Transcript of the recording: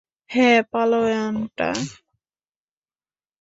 হ্যাঁ, পালোয়ানটা।